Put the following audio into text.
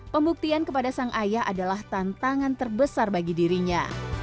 pembuktian kepada sang ayah adalah tantangan terbesar bagi dirinya